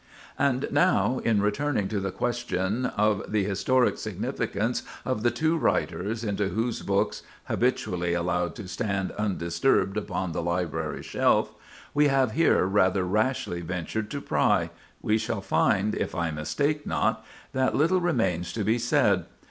And now, in returning to the question of the historic significance of the two writers into whose books—habitually allowed to stand undisturbed upon the library shelf—we have here rather rashly ventured to pry, we shall find, if I mistake not, that little remains to be said.